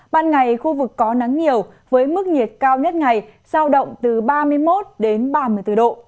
ban ngày khu vực có nắng nhiều với mức nhiệt cao nhất ngày sao động từ ba mươi một đến ba mươi bốn độ